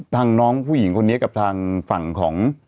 น้องผู้หญิงคนนี้กับทางฝั่งของ